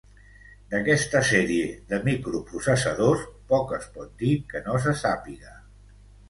D'aquesta sèrie de microprocessadors poc es pot dir que no se sàpiga.